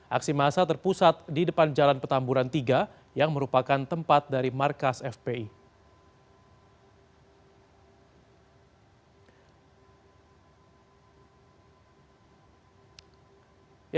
aksi masa terpusat di depan jalan petamburan tiga yang merupakan tempat dari markas fpi